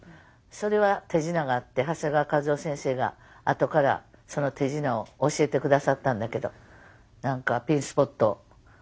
それは手品があって長谷川一夫先生が後からその手品を教えて下さったんだけど。